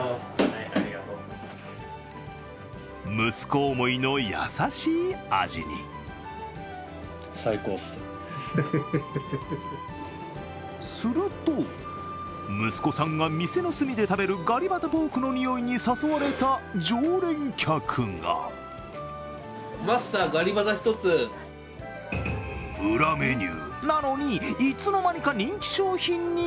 息子思いの優しい味にすると、息子さんが店の隅で食べるガリバタポークのにおいに誘われた常連客が裏メニューなのに、いつの間にか人気商品に。